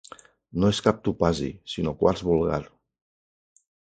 No és cap topazi, sinó quars vulgar.